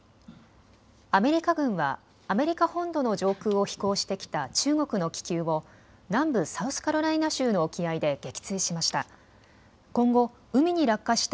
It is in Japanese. アメリカ軍はアメリカ本土の上空を飛行してきた中国の気球を南部サウスカロライナ州の沖合で撃墜しました。